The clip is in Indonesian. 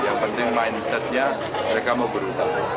yang penting mindsetnya mereka mau berubah